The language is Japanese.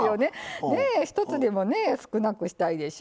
一つでも少なくしたいでしょ。